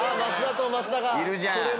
いるじゃん。